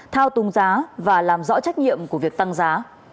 thao túng giá và làm rõ trách nhiệm của việc tăng giá